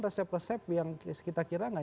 resep resep yang kita kira gak